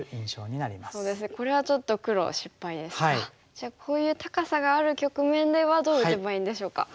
じゃあこういう高さがある局面ではどう打てばいいんでしょうか。